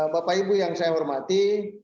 bapak ibu yang saya hormati